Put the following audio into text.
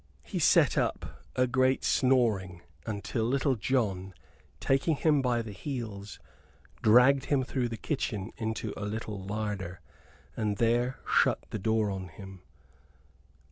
He set up a great snoring, until Little John, taking him by the heels, dragged him through the kitchen into a little larder, and there shut the door on him.